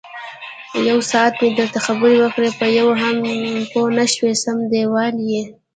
یوساعت مې درته خبرې وکړې، په یوه هم پوی نشوې سم دېوال یې.